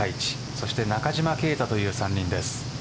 そして、中島啓太という３人です。